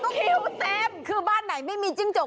คิวแซ่บคือบ้านไหนไม่มีจิ้งจก